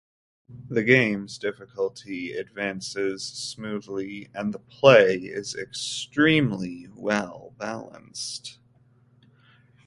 The game's difficulty advances smoothly, and the play is extremely well balanced.